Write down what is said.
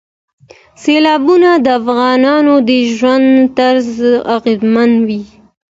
سیلابونه د افغانانو د ژوند طرز اغېزمنوي.